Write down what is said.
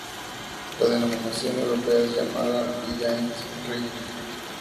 La denominación europea es Yamaha Brilliant Riding.